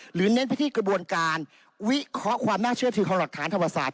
เน้นไปที่กระบวนการวิเคราะห์ความน่าเชื่อถือของหลักฐานธรรมศาสต